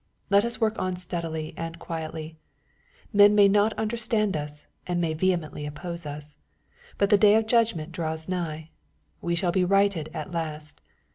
Let us work on steadily and quietly. Men may not un derstand us, and may vehemently oppose us. But the day of judgment draws nigh. We shall be righted at last.